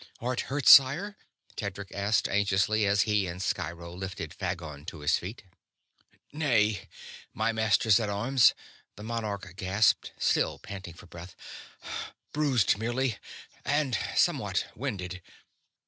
"Art hurt, sire?" Tedric asked anxiously as he and Sciro lifted Phagon to his feet. "Nay, my masters at arms," the monarch gasped, still panting for breath. "Bruised merely, and somewhat winded."